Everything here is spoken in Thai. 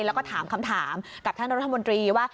แล้วก็ถามคำถามกับท่านรัฐมนตรีว่า